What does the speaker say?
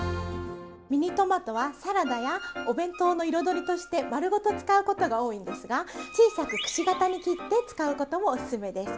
ミニトマトはサラダやお弁当の彩りとして丸ごと使うことが多いんですが小さくくし形に切って使うこともおすすめです。